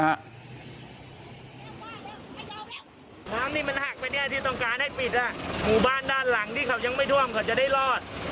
น้ำที่มันหักไปเนี่ยที่ต้องการให้ปิดหมู่บ้านด้านหลังที่เขายังไม่ท่วมเขาจะได้รอด